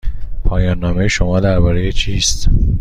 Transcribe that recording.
پایان نامه شما درباره چیست؟